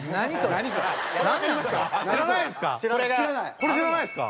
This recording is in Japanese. これ知らないですか？